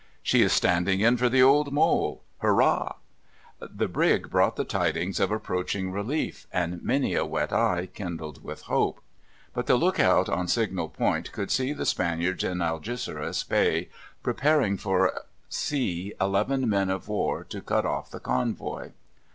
"She is standing in for the Old Mole! Hurrah!" That brig brought the tidings of approaching relief, and many a wet eye kindled with hope. But the look out on Signal Point could see the Spaniards in Algeciras Bay preparing for sea eleven men of war to cut off the convoy.